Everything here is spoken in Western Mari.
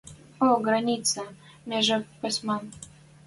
О граница! Межа, пӹсмӓн!